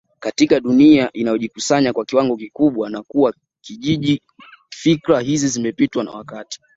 katika dunia inayojikusanya kwa kiwango kikubwa na kuwa kijiji fikra hizi zimepitwa na wakati